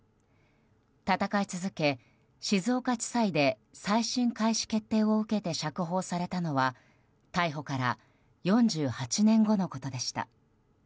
闘い続け、静岡地裁で再審開始決定を受けて釈放されたのは逮捕から４８年後のことでした。